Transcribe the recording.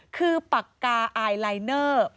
คือปากกาไอลายเนอร์